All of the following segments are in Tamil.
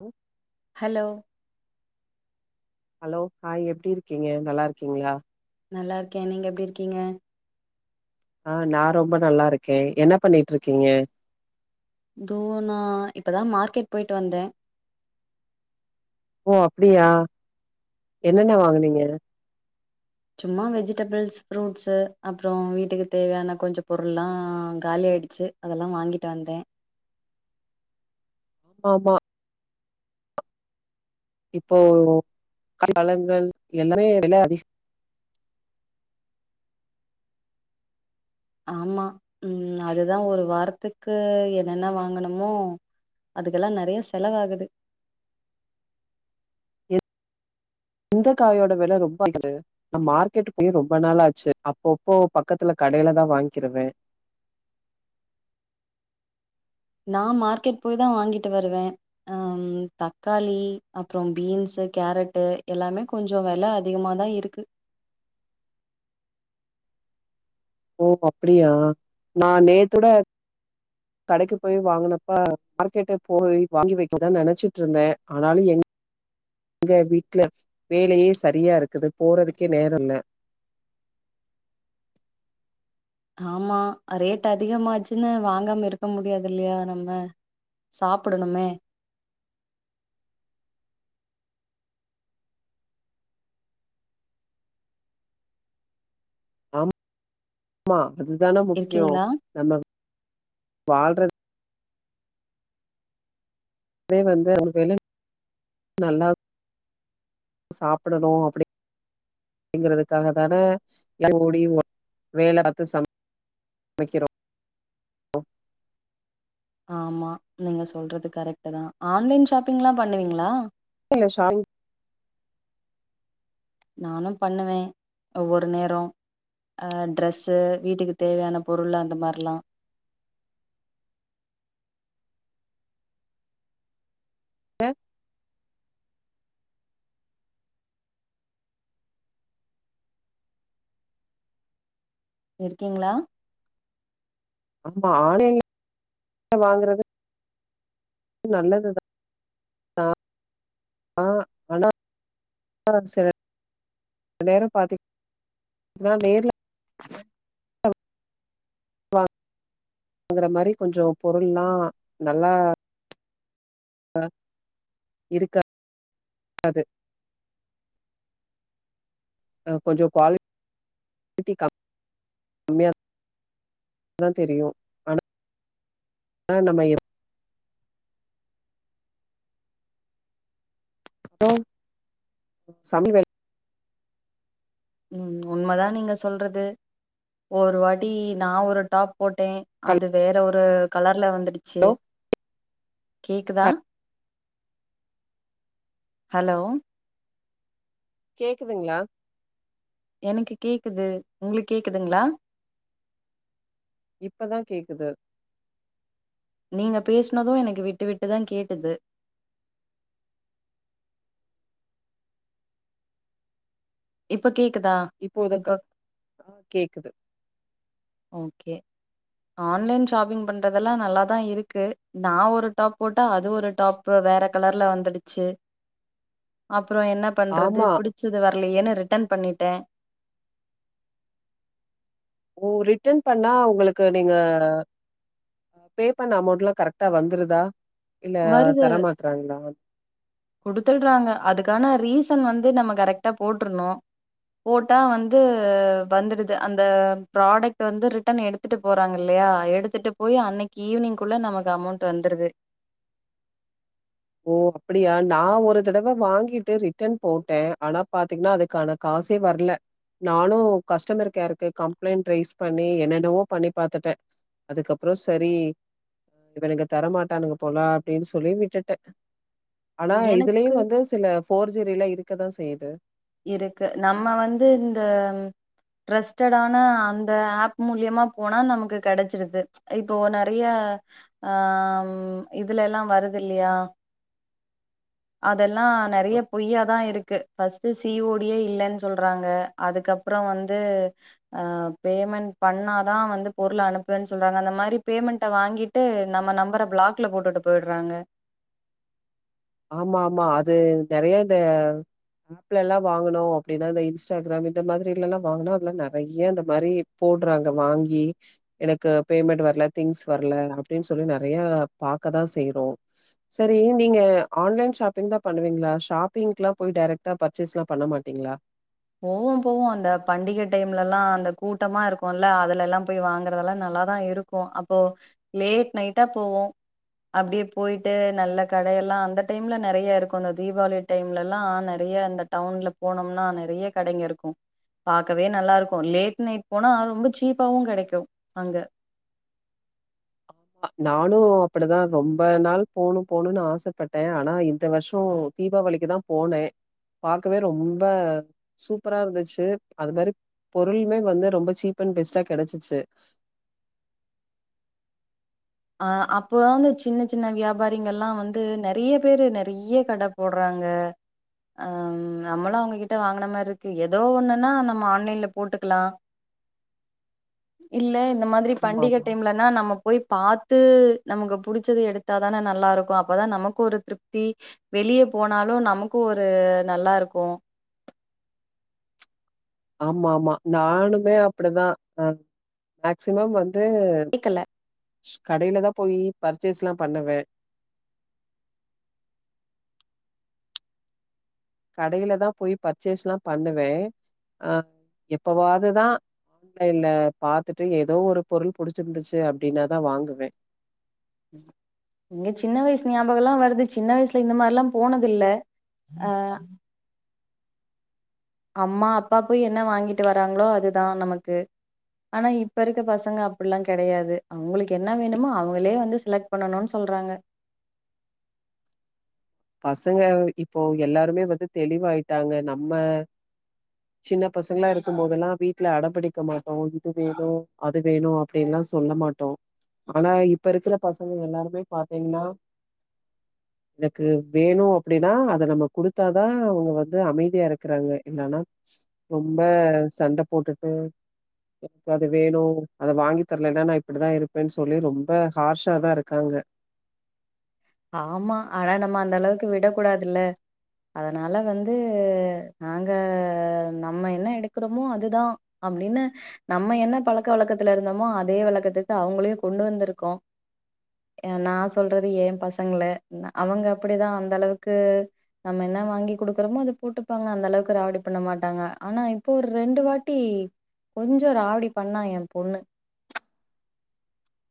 ஹலோ. ஹலோ. ஹலோ ஹாய் எப்படி இருக்கீங்க நல்லா இருக்கீங்களா. நல்லா இருக்கேன் நீங்க எப்படி இருக்கீங்க. ஆஹ நான் ரொம்ப நல்லா இருக்கேன் என்ன பண்ணிட்டு இருக்கீங்க. தோ நா இப்பதா மார்க்கெட் போய்ட் வந்தே ஓ அப்டியா என்னென்ன வாங்குனீங்க சும்மா வெஜிடபிள்ஸ் ஃப்ரூட்ஸ்சு அப்றோ வீட்டுக்கு தேவையான கொஞ்சோ பொருள்லா காலி ஆயிடுச்சு அதெல்லா வாங்கிட்டு வந்தே ஆமா இப்போ காய் பழங்கள் எல்லாமே வெல அதி ஆம்மா உம் அதுதா ஒரு வாரத்துக்கு என்னென்ன வாங்கணுமோ அதுக்கெல்லா நெறைய செலவாகுது எந்த காயோட வெல ரொம்ப அதிகது நா மார்க்கெட் போயே ரொம்ப நாளாச்சு அப்பப்போ பக்கத்துல கடையில தா வாங்கிருவே நா மார்க்கெட் போய் தா வாங்கிட்டு வருவே ஆஹ் தக்காளி அப்றோ பீன்ஸ்சு கேரட்டு் எல்லாமே கொஞ்சோ வெல அதிகமாதா இருக்கு ஓ ஓ அப்டியா நா நேத்தொட கடைக்கு போய் வாங்குனப்பா மார்க்கெட்ட போய் வாங்கி வெக்கதா நெனச்சுட்ருந்தே ஆனாலு எங் எங்க வீட்டுல வேலையே சரியா இருக்குது போறதுக்கே நேரொல்ல ஆமா ரேட் அதிகமாச்சுன்னு வாங்காம இருக்க முடியாதில்லையா நம்ம சாப்புடணுமே மா அதுதான முக்யோ இருக்கீங்களா? நம்ம வாழ்றது அதே வந்து உனக்கு எல் நல்லா சாப்புடணு அப்படி அப்படிங்கறதுக்காக தான எல் ஓடி ஒ வேல அத்து சம் வெக்கிறோ ஆம்மா நீங்க சொல்றது கரெக்ட்டு தா ஆன்லைன் ஷாப்பிங்லா பண்ணுவீங்களா ஆன்லைன்ல ஷாப்பிங் நானு பண்ணுவே ஒவ்வொரு நேரோ ஆஹ் டிரெஸ்ஸு வீட்டுக்கு தேவையான பொருள் அந்த மாரிலா ஏ இருக்கீங்களா ஆம்மா ஆன்லைன்ல வாங்குறது உம் நல்லதுதா ஆஹ் ஆஹ் அனா சில நேரோ பாத்து நா நேர்ல வாங் வாங்கற மாரி கொஞ்சோ பொருள்லா நல்லா லா இருக்கா காது அ கொஞ்சோ குவாலி டி கம் கம்மியா தா தெரியு ஆனா ஆனா நம்ம எப் ப்றோ சமி வே உம் உம் உண்மதா நீங்க சொல்றது ஒரு வாட்டி நா ஒரு டாப் போட்டே அது ஹலோ வேற ஒரு கலர்ல வந்துட் ச்சு கேக்குதா ஹலோ கேக்குதுங்களா எனக்கு கேக்குது உங்களுக் கேக்குதுங்களா இப்பதா கேக்குது நீங்க பேசுனது எனக்கு விட்டு விட்டு தா கேட்டுது இப்ப கே இப்போத க்க ஆ கேக்குது ஓக்கே ஆன்லைன் ஷாப்பிங் பண்றதெல்லா நல்லாத்தா இருக்கு நா ஒரு டாப் போட் டா அது ஒரு டாப்பு வேற கலர்ல வந்துடுச்சு அப் அப்றோ என்ன பண்றது ஆமா. பிடிச்சது வரலயேனு ரிட்டன் பண்ணிட்டே ஓ ரிட்டன் பண்ணா உங்களுக்கு நீங்க பே பண்ண அமௌண்ட்லா கரெக்டா வந்துருதா இல்ல வருது தரமாட்றாங்களா? குடுத்துடுறாங்க அதுக்கான ரீசன் வந் து நம்ம கரெக்ட்டா போற்றுனு போட்டா வந்து வந்துடுது அந்த பிராடக்ட் வந்து ரிட்டன் எடுத்துட்டு போறாங்கல்லையா எடுத்துட்டு போயி அன்னிக்கி ஈவினிங்குள்ள நமக்கு அமௌண்ட் வந்துருது ஓ அப்டியா நான் ஒரு தடவை வாங்கிட்டு ரிட்டன் போட்டேன் ஆனா பாத்தீங்கின்னா அதுக்கான காசே வரல நானும் கஸ்டமர் கேருக்கு கம்ப்ளைண்ட் ரைஸ் பண்ணி என்ன என்னவோ பண்ணி பாத்துட்டேன் அதுக்கப்புறம் செரி இவனுங்க தரமாட்டன்ங்க போலா அப்டின்னு சொல்லி விட்டுட்டேன் ஆனா எனக்கு இதுலயும் வந்து சில போர்ஜரில இருக்கு க்கதான் செய்யுது இருக்கு நம்ம வந்து இந்த ர்ரெஸ்ட்டான அந்த ஆப் மூலியமா போனா நமக்கு கெடைச்சிருது இப்போ நெறய ஆ இதுலலா வருது இல்லையா அத் இதெல்லாம் நெறய பொய்யா தான் இருக்கு ஃபஸ்ட் சிஓடியே இல்லன்னு சொல்றாங்க அதுக்கப்பறம் வந்து ஆ பேமெண்ட் பண்ணாதான் வந்து பொருள் அனுப்புவேன்னு சொல்றாங்க அந்த மாரி பேமெண்ட வாங்கிட்டு நம்ம நம்பரை பிளாக்ல போட்டுட்டு போய்டுறாங்க ஆமா ஆமா அது நெறய இந்த ஆப்ல எல்லாம் வாங்கினும் அப்டின்னா இந்த இன்ஸ்டாகிராம் இந்த மாதிரிலல்லாம் வாங்கினா அதெல்லாம் நெறைய அந்த மாரி போடுறாங்க வாங்கி எனக்கு பேமெண்ட் வரல திங்ஸ் வரல அப்டின்னு சொல்லி நெறைய பாக்கதான் செய்றோம் செரி நீங்க ஆன்லைன் ஷாப்பிங் தான் பண்ணுவீங்களா ஷாப்பிங்க்லாம் போய் டரக்டா பர்ச்சேஸ்லாம் பண்ண மாட்டீங்களா போவோ போவோ அந்த பண்டிக டைம்லலா அந்த கூட்டமா இருக்கும்ல அதுலலா போய் வாங்கறதெல்லா நல்லாதா இருக்கோ அப்போ லேட் நைட்டா போவோ அப்டியே போயிட்டு நல்ல கடையெல்லா அந்த டைம்ல நறைய இருக்கோ அந்த தீபாவளி டைம்லலா நறைய இந்த டவுன்ல போனோம்னா நறையக் கடைங்க இருக்கும் பாக்கவே நல்லா இருக்கு லேட் நைட் போனா ரொம்ப சீப்பாவும் கிடைக்கும் அங்க நானும் அப்டிதான் ரொம்ப நாள் போணும் போணும்ன்னனு ஆசைப்பட்டேன் ஆனா இந்த வருஷம் தீபாவளிக்குதான் போனே பார்க்கவே ரொம்ப சூப்பரா இருந்துச்சு அது மாரி பொருளுமே வந்து ரொம்ப சீப் அண்ட் பெஸ்டா கிடைச்சுச்சு அ அப்போதான் வந்து சின்ன சின்ன வியாபாரிங்கள்ல்லாம் வந்து நெறைய பேரு நெறைய கடை போடுறாங்க அ நம்மளும் அவங்ககிட்ட வாங்கின மாரி இருக்கு ஏதோ ஒண்ணுன்னா நம்ம ஆன்லைன்ல போட்டுக்கலாம் இல்ல இந்த மாதிரி ஆமா பண்டிகை ஆமா டைம்லன நம்ம போய் பார்த்து த்து நமக்கு புடிச்சதை எடுத்தாதானே நல்லா இருக்கும் அப்பதான் நமக்கும் ஒரு திருப்தி வெளியே போனாலும் நமக்கும் ஒரு நல்லா இருக்கு ஆமா ஆமா நானுமே அப்டிதான் அ மேக்சிமம் வந்து வந்து கேக்கல கடையில தான் போயி பர்ச்சேஸ்லாம் பண்ணுவேன் கடையில தான் போய் பர்ச்சேஸ்லாம் பண்ணுவேன் அ எப்பவாதுதான் ஆன்லைன்ல பாத்துட்டு ஏதோ ஒரு பொருள் புடிச்சிருந்துச்சு அப்டின்னாதான் வாங்குவேன் எங்க சின்ன வயசு ஞாபகம்லாம் வருது சின்ன வயசுல இந்த மாரிலாம் போனது இல்ல அ அம்மா அப்பா போய் என்ன வாங்கிட்டு வராங்களோ அதுதான் நமக்கு ஆனா இப்ப இருக்க பசங்க அப்டில்லாம் கிடையாது அவங்களுக்கு என்ன வேண்டுமோ அவங்களே வந்து செலக்ட் பண்ணணும்னு சொல்றாங்க பசங்க இப்போ எல்லாருமே வந்து தெளிவாயிட்டாங்க நம்ம சின்ன பசங்கலா இருக்கு போதெல்லா வீட்ல அடோ பிடிக்க மாட்டோ இது வேணோ அது வேணோ அப்டின்லா சொல்ல மாட்டோ ஆனா இப்ப இருக்குற பசங்க எல்லாருமே பாத்தீங்கன்னா க்கு வேணும் அப்டின்னா அதை நம்ம குடுத்தாதான் அவங்க வந்து அமைதியா இருக்கிறாங்க இல்லன்னா ரொம்ப சண்டை போட்டுட்டு எனக்கு அது வேணும் அத வாங்கி தரலன்னா நான் இப்டித்தான் இருப்பேன்னு சொல்லி ரொம்ப ஹார்ஷாாதான் இருக்காங்க ஆமா ஆனா நம்ம அந்த அளவுக்கு விடக் கூடாதுல்ல அதனால வந்து நாங்க நம்ம என்ன எடுக்கிறோமோ அதுதான் அப்டின்னு நம்ம என்ன பழக்க வழக்கத்துல இருந்தோமோ அதே வழக்கத்துக்கு அவங்களையும் கொண்டு வந்திருக்கோம் நான் சொல்றது ஏன் பச பசங்கள அவங்க அப்டிதான் அந்த அளவுக்கு நம்ம என்ன வாங்கி குடுக்குறோமோ அதை போட்டுப்பாங்க அந்த அளவுக்கு ராவடி பண்ண மாட்டாங்க ஆனா இப்போ ஒரு ரெண்டு வாட்டி கொஞ்சம் ராவடி பண்ணா என் பொண்ணு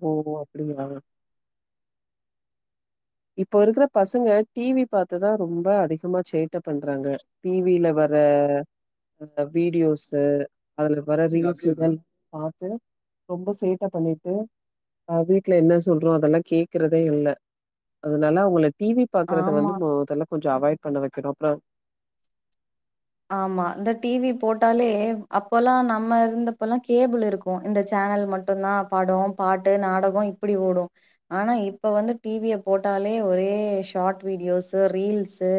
ஓ அப்படிங்களா இப்போ இருக்கற பசங்க டிவி பாரத்துதான் ரொம்ப அதிகமா சேட்டை பண்றாங்க டிவில வர அ வீடியோஸ்ஸீ அதுல வர ரீல்ஸுகள் பார்த்து ரொம்ப சேட்டை பண்ணிட்டு ஆ வீட்டுல என்ன சொல்றோம் அதெல்லாம் கேக்குறதே இல்லை அதனால உங்கள டிவி பாக்குறத வந்து ஆமா மொதல்ல கொஞ்சம் அவாய்ட் பண்ண வைக்கனு அப்ற ஆமா இந்த டிவி போட்டாலே அப்போல்லாம் நம்ம இருந்தப்பல்லாம் கேபிள் இருக்கும் இந்த சேனல் மட்டும்தான் படம் பாட்டு நாடகம் இப்படி ஓடும் ஆனா இப்ப வந்து டிவிய போட்டாலே ஒரே ஷார்ட் வீடியோஸ் ரீல்ஸ்ஸீ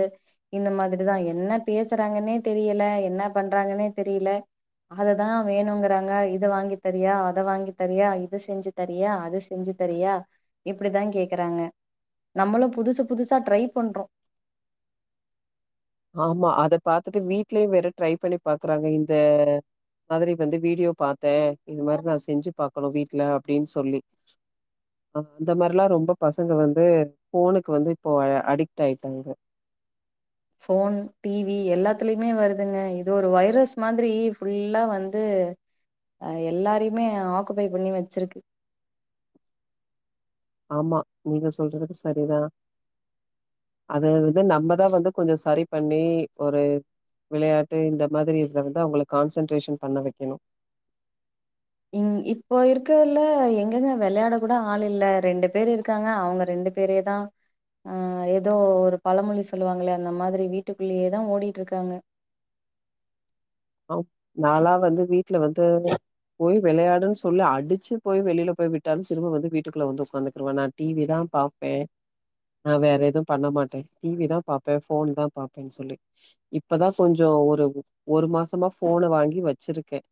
இந்த மாதிரிதான் என்ன பேசுறாங்கன்னே தெரியல என்ன பண்றாங்கன்னே தெரியல அததான் வேணுங்கறாங்க இத வாங்கி தரியா அத வாங்கி தரியா இது செஞ்சு தரியா அது செஞ்சு தெரியா இப்டித்தான் கேக்குறாங்க நம்மளும் புதுசு புதுசா ட்ரை பண்றோம் ஆமா அத பாத்துட்டு வீட்லயு வேற ட்ரை பண்ணி பாக்குறாங்க இந்த மாதிரி வந்து வீடியோ பாத்தே இந்த மாரி நா செஞ்சு பாக்கணோ வீட்ல அப்டீனு சொல்லி அ அந்த மாரிலா ரொம்ப பசங்க வந்து ஃபோனுக்கு வந்து இப்போ அடிக்ட்டு ஆயிட்டாங்க போன் டிவி எல்லாத்துலயுமே வருதுங்க இது ஒரு வைரஸ் மாதிரி ஃபுல்லா வந்து அ எல்லாரையுமே ஆக்குபை பண்ணி வச்சிருக்கு ஆமா நீங்க சொல்றது சரிதான் அது வந்து நம்மதான் வந்து கொஞ்சம் சரி பண்ணி ஒரு விளையாட்டு இந்த மாதிரி இதல வந்து அவங்களுக்கு கான்சன்ட்ரேஷன் பண்ண வைக்கணும் இங் இப்போ இருக்கதுல எங்கெங்க விளையாட கூட ஆள் இல்ல ரெண்டு பேரு இருக்காங்க அவங்க ரெண்டு பேரேதான் அ ஏதோ ஒரு பழமொழி சொல்லுவாங்களே அந்த மாதிரி வீட்டுக்குள்ளேயேதான் ஓடிட்டு இருக்காங்க நாளா வந்து வீட்டுல வந்து போய் விளையாடுன்னு சொல்லி அடிச்சு போய் வெளியில போய் விட்டாலும் திரும்ப வந்து வீட்டுக்குள்ள வந்து உட்காந்துக்குருவேன் நான் டிவிதான் பாரப்பேன் நான் வேற எதுவும் பண்ண மாட்டேன் டிவி தான் பாப்பேன் போன் தான் பாப்பேன்னு சொல்லி இப்பதான் கொஞ்சம் ஒரு ஒரு மாசம் போனை வாங்கி வச்சிருக்கேன்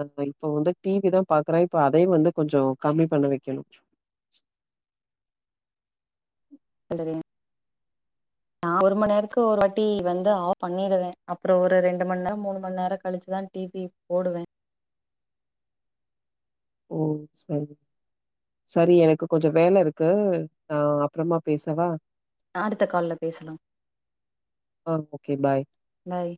அ இப்ப வந்து டிவி தான் பாக்குறேன் இப்ப அதையும் வந்து கொஞ்சம் கம்மி பண்ண வைக்கணும் நான் ஒரு மணி நேரத்துக்கு ஒரு வாட்டி வந்து ஆப் பண்ணிடுவேன் அப்புறம் ஒரு ரெண்டு மணி நேரம் மூணு மணி நேரம் கழிச்சுதான் டிவி போடுவேன் ஓ செரி செரி எனக்கு கொஞ்சம் வேலை இருக்கு நா அப்பறமா பேசவா அடுத்த கால்ல பேசலாம் ஆ ஓகே பாய் பாய்